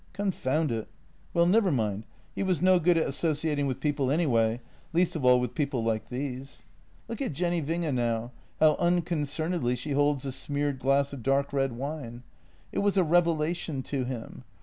Confound it — well, never mind. He was no good at as sociating with people anyway, least of all with people like these. Look at Jenny Winge now, how unconcernedly she holds the smeared glass of dark red wine. It was a revelation to him.